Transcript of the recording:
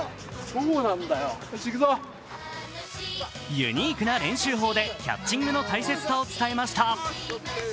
ユニークな練習法でキャッチングの大切さを伝えました。